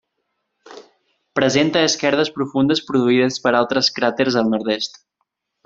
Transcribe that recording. Presenta esquerdes profundes produïdes per altres cràters al nord-est.